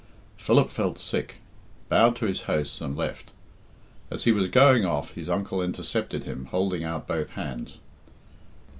Philip felt sick, bowed to his hosts, and left. As he was going off, his uncle intercepted him, holding out both hands.